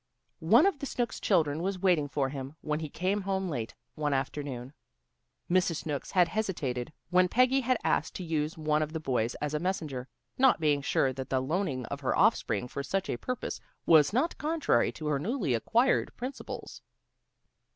One of the Snooks children was waiting for him when he came home late one afternoon. Mrs. Snooks had hesitated when Peggy had asked to use one of the boys as a messenger, not being sure that the loaning of her offspring for such a purpose was not contrary to her newly acquired principles.